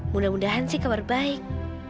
mudah mudahan sih kabar baik